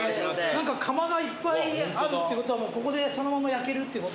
何か窯がいっぱいあるっていうことはここでそのまま焼けるっていうこと？